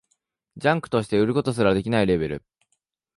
ジャンクとして売ることすらできないレベル